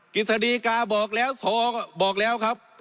กิจสดีกาบอกแล้วสอก็บอกแล้วครับ